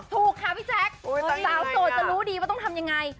ถูกค่ะพี่แจ๊คสาวโสดจะรู้ดีว่าต้องทำยังไง